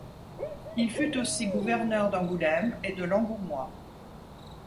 Il fut aussi gouverneur d’Angoulême et de l’Angoumois.